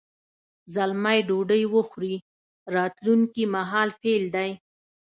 زلمی ډوډۍ وخوري راتلونکي مهال فعل دی.